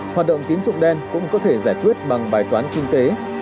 hoạt động tín dụng đen cũng có thể giải quyết bằng bài toán kinh tế